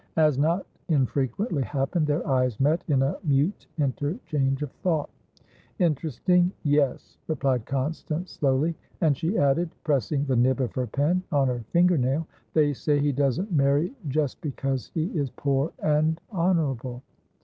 As not infrequently happened, their eyes met in a mute interchange of thought. "Interestingyes," replied Constance, slowly. And she added, pressing the nib of her pen on her finger nail, "They say he doesn't marry just because he is poor and honourable."